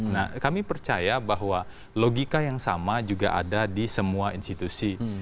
nah kami percaya bahwa logika yang sama juga ada di semua institusi